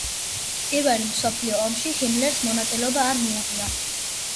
პირველი მსოფლიო ომში ჰიმლერს მონაწილეობა არ მიუღია.